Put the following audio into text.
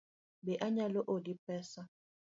Be anyalo oli pesa?